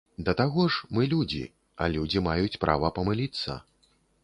Да таго ж, мы людзі, а людзі маюць права памыліцца.